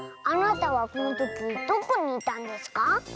あなたはこのときどこにいたんですか？